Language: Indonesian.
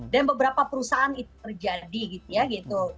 dan beberapa perusahaan itu terjadi gitu ya gitu